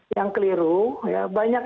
yang keliru ya banyak